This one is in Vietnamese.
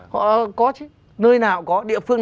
họ có chứ nơi nào cũng có địa phương